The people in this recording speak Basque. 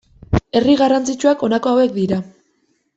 Herri garrantzitsuak, honako hauek dira.